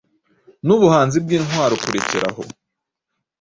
Nubuhanzi bwintwaro Kurekera aho